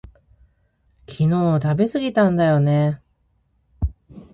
昨日食べすぎたんだよね